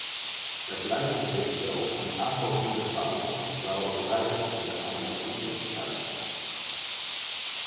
Er blijven evenwel een aantal hinderpalen waarover wij het in de amendementen hebben.